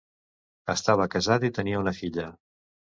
Estava casat i tenia una filla.